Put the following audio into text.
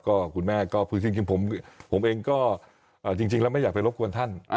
ก็คุณแม่ก็คือจริงผมเองก็จริงแล้วไม่อยากไปรบกวนท่าน